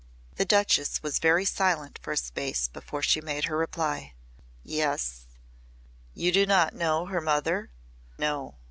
The Duchess was very silent for a space before she made her reply. "Yes." "You do not know her mother?" "No."